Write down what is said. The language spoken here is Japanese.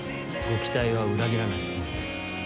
ご期待は裏切らないつもりです。